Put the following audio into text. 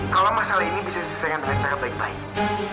kalau masalah ini bisa diselesaikan dengan cara baik baik